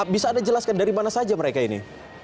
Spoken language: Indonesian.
bisa anda jelaskan dari mana saja mereka ini